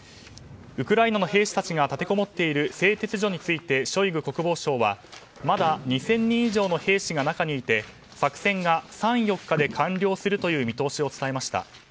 ウクライナの兵士たちが立てこもっている製鉄所についてショイグ国防相はまだ２０００人以上の兵士が中にいて作戦が３４日で完了するという見通しを伝えました。